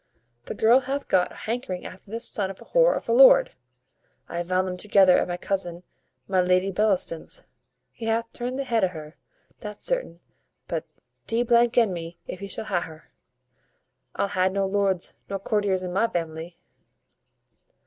The girl hath got a hankering after this son of a whore of a lord. I vound 'em together at my cousin my Lady Bellaston's. He hath turned the head o' her, that's certain but d n me if he shall ha her I'll ha no lords nor courtiers in my vamily."